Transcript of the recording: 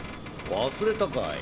忘れたかい？